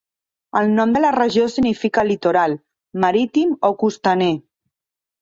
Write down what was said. El nom de la regió significa Litoral, Marítim o Costaner.